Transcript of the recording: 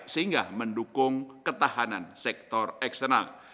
sehingga mendukung ketahanan sektor eksternal